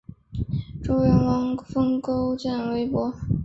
周元王封勾践为伯。